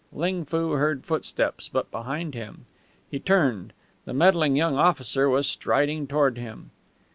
Ling Foo heard footsteps, but behind him. He turned. The meddling young officer was striding toward him.